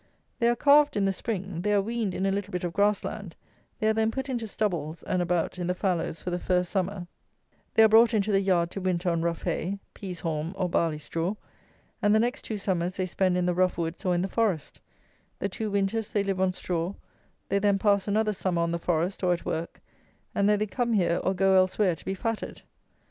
They are calved in the spring; they are weaned in a little bit of grass land; they are then put into stubbles and about in the fallows for the first summer; they are brought into the yard to winter on rough hay, peas haulm, or barley straw; the next two summers they spend in the rough woods or in the forest; the two winters they live on straw; they then pass another summer on the forest or at work; and then they come here or go elsewhere to be fatted.